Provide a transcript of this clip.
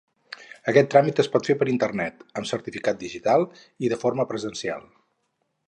Aquest tràmit es pot fer per internet amb certificat digital i de forma presencial.